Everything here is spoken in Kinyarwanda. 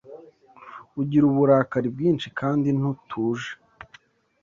Ugira uburakari bwinshi kandi ntutuje.